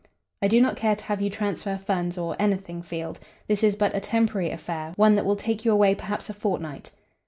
"I do not care to have you transfer funds or anything, Field. This is but a temporary affair, one that will take you away perhaps a fortnight."